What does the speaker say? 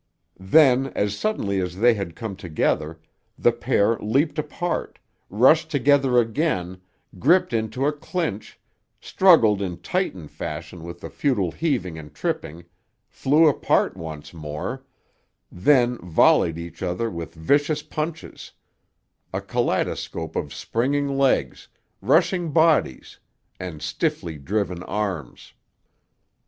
Then, as suddenly as they had come together, the pair leaped apart, rushed together again, gripped into a clinch, struggled in Titan fashion with futile heaving and tripping, flew apart once more, then volleyed each other with vicious punches—a kaleidoscope of springing legs, rushing bodies, and stiffly driven arms.